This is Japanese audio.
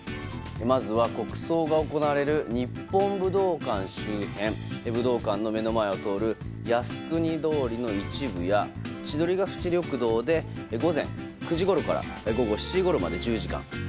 まずは国葬が行われる日本武道館周辺武道館の目の前を通る靖国通りの一部や千鳥ケ淵緑道で午前９時ごろから午後７時ごろまで１０時間。